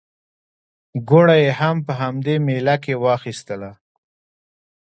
ګوړه یې هم په همدې مېله کې واخیستله.